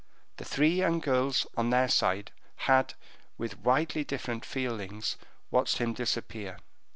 The three young girls, on their side, had, with widely different feelings, watched him disappear.